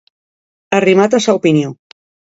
Arrimat a sa opinió.